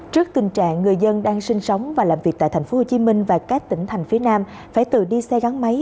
trước tình trạng người dân đang sinh sống và làm việc tại tp hcm và các tỉnh thành phía nam phải tự đi xe gắn máy